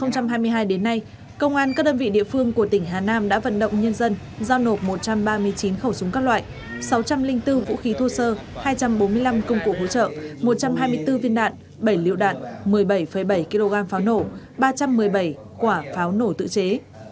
năm hai nghìn hai mươi hai đến nay công an các đơn vị địa phương của tỉnh hà nam đã vận động nhân dân giao nộp một trăm ba mươi chín khẩu súng các loại sáu trăm linh bốn vũ khí thô sơ hai trăm bốn mươi năm công cụ hỗ trợ một trăm hai mươi bốn viên đạn bảy liệu đạn một mươi bảy bảy kg pháo nổ ba trăm một mươi bảy quả pháo nổ tự chế